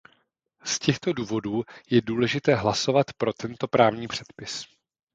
Z těchto důvodů je důležité hlasovat pro tento právní předpis.